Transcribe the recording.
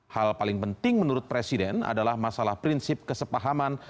hal paling penting menurut presiden adalah masalah prinsip kesepahaman